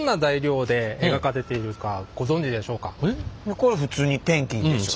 これ普通にペンキでしょ？